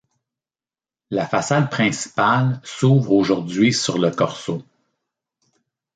La façade principale s'ouvre aujourd'hui sur le Corso.